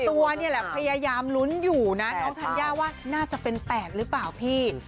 ตัวเนี่ยแหละพยายามลุ้นอยู่นะน้องธัญญาว่าน่าจะเป็น๘หรือเปล่าพี่